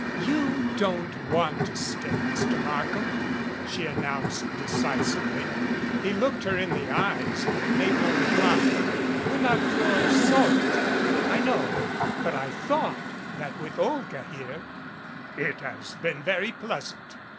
"You don't want to stay, Mr. Markham," she an nounced, decisively. He looked her in the eyes, but made no reply. 89 MADCAP "We're not your sort, I know. But I thought that with Olga here " "It has been very pleasant.